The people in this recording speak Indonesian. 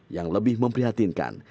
yang lebih memprihatinkan